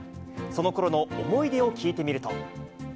そのころの思い出を聞いてみると。